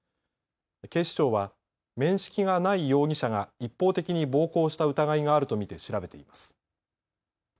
警視庁は面識がない容疑者が一方的に暴行した疑いがあると見て調べています。